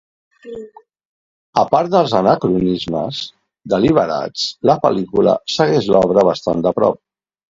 A part dels anacronismes deliberats, la pel·lícula segueix l'obra bastant de prop.